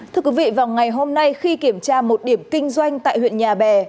thưa quý vị vào ngày hôm nay khi kiểm tra một điểm kinh doanh tại huyện nhà bè